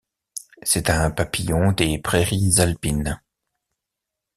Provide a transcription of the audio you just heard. C'est un papillon des prairies alpines.